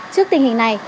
trước tình hình này